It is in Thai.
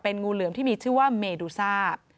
งูเหลือมที่มีชื่อว่าเมดูซ่า